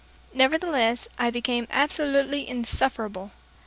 Nevertheless I became absolutely insufferable!